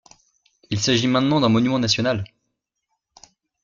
Il s'agit maintenant d'un monument national.